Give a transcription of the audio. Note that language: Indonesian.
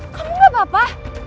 kamu gak apa apa